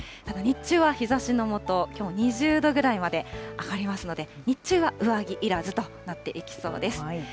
ただ、日中は日ざしのもと、きょう２０度ぐらいまで上がりますので、日中は上着いらずとなっていきそうです。